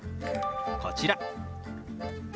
こちら。